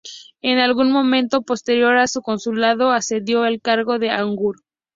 En algún momento posterior a su consulado accedió al cargo de augur.